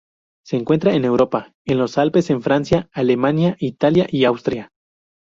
Se encuentra en Europa: en los Alpes en Francia, Alemania, Italia y Austria.